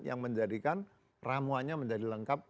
yang menjadikan ramuannya menjadi lengkap